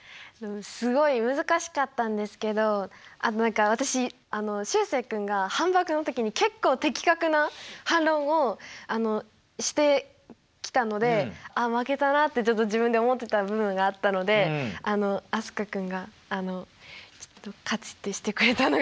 すごい難しかったんですけどあと何か私しゅうせい君が反ばくの時に結構的確な反論をしてきたので「あ負けたな」って自分で思ってた部分があったので飛鳥君が勝ちってしてくれたのがちょっとうれしかったです。